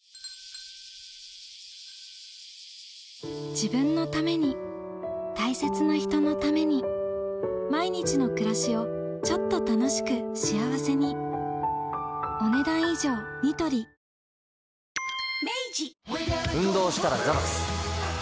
自分のために大切な人のために毎日の暮らしをちょっと楽しく幸せに明治運動したらザバス。